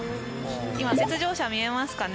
今雪上車見えますかね？